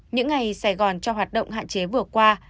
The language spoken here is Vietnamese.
những ngày sài gòn cho hoạt động hạn chế vừa qua